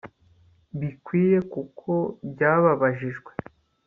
bikwiye kuko by ababajijwe